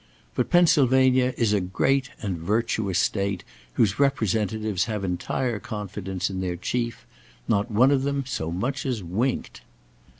But Pennsylvania is a great and virtuous State, whose representatives have entire confidence in their chief. Not one of them so much as winked.